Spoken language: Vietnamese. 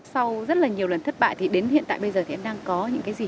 sau rất là nhiều lần thất bại thì đến hiện tại bây giờ thì em đang có những cái gì